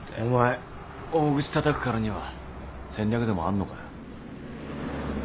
お前大口たたくからには戦略でもあんのかよ？